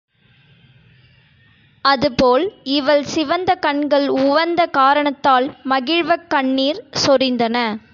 அது போல் இவள் சிவந்த கண்கள் உவந்த காரணத்தால் மகிழ்வக் கண்ணீர் சொரிந்தன.